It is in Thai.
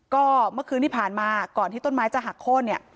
ก็เมื่อคืนที่ผ่านมาก่อนที่ต้นไม้จะหักโค้นเนี่ย